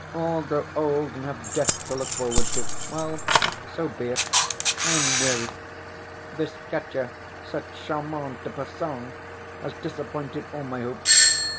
All grow old and have death to look forward to. Well, so be it! I am weary. This Katya, cette charmante personne, has disappointed all my hopes.